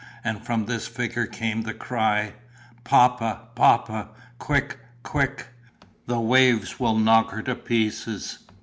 And from this figure came the cry, "Papa, papa! Quick, quick! The waves will knock her to pieces!"